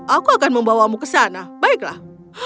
aku akan membawamu ke sana baiklah